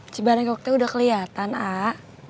cibarang kok udah keliatan ah